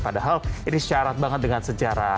padahal ini syarat banget dengan sejarah